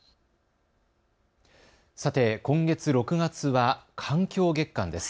さて、今月６月は環境月間です。